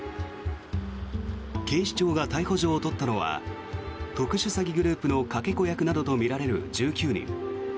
警視庁が逮捕状を取ったのは特殊詐欺グループのかけ子役などとみられる１９人。